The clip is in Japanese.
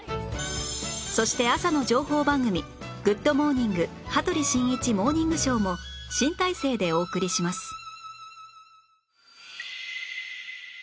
そして朝の情報番組『グッド！モーニング』『羽鳥慎一モーニングショー』も新体制でお送りします